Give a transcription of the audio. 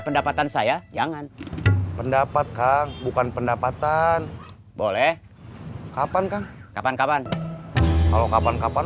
pendapatan saya jangan pendapat kang bukan pendapatan boleh kapan kang kapan kapan kalau kapan kapan